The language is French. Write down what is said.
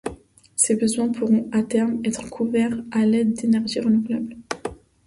Ces besoins pourront à terme être couverts à l'aide d'énergies renouvelables.